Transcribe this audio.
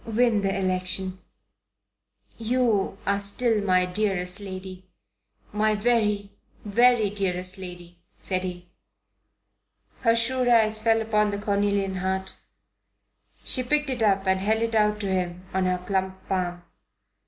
"Win the election." "You are still my dearest lady my very very dearest lady," said he. Her shrewd eyes fell upon the cornelian heart. She picked it up and held it out to him on her plump palm.